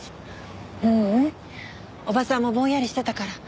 ううんおばさんもぼんやりしてたから。